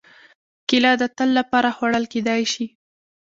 کېله د تل لپاره خوړل کېدای شي.